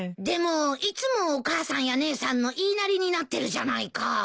でもいつもお母さんや姉さんの言いなりになってるじゃないか。